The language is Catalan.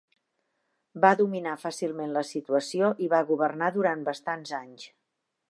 Va dominar fàcilment la situació i va governar durant bastants anys.